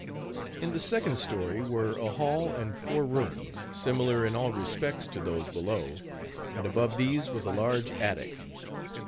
In the second story were a hall and four rooms, similar in all respects to those below, and above these was a large attic.